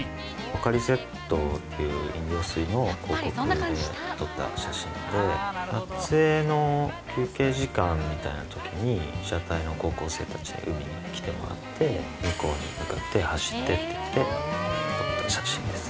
ポカリスエットっていう飲料水の広告で撮った写真で、撮影の休憩時間みたいなときに、被写体の高校生たちに海に来てもらって、向こうに向かって走ってって言って撮った写真です。